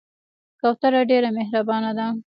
کوتره ډېر مهربانه ده.